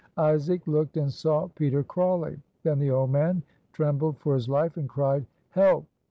Isaac looked and saw Peter Crawley. Then the old man trembled for his life, and cried, "Help!